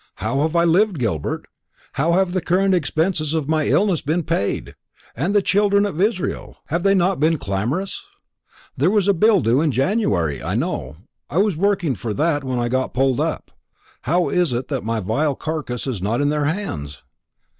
How have I lived, Gilbert? How have the current expenses of my illness been paid? And the children of Israel have they not been clamorous? There was a bill due in January, I know. I was working for that when I got pulled up. How is it that my vile carcass is not in their hands?"